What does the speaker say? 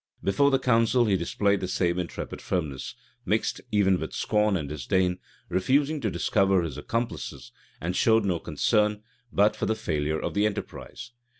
[] Before the council he displayed the same intrepid firmness, mixed even with scorn and disdain; refusing to discover his accomplices, and showing no concern but for the failure of the enterprise.